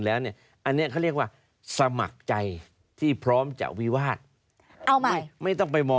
ปลอดภัทรย์สมัครใจที่พร้อมจะวีวาท